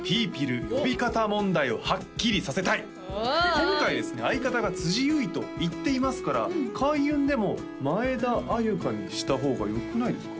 今回ですね相方が辻優衣と言っていますから開運でも前田鮎花にした方がよくないですか？